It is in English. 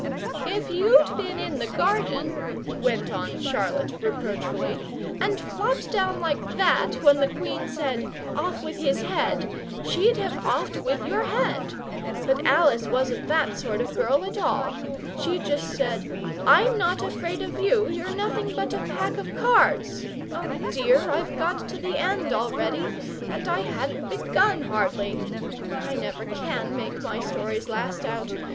"If you'd been in the garden," went on Charlotte, reproachfully, "and flopped down like that when the Queen said 'Off with his head!' she'd have offed with your head; but Alice wasn't that sort of girl at all. She just said, 'I'm not afraid of you, you're nothing but a pack of cards' oh, dear! I've got to the end already, and I hadn't begun hardly! I never can make my stories last out!